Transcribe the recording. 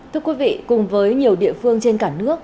thưa quý vị cùng với nhiều địa phương trên cả nước